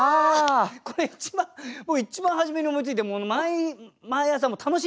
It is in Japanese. これ一番もう一番初めに思いついてもう毎朝楽しみに。